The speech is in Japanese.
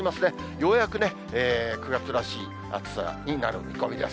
ようやくね、９月らしい暑さになる見込みです。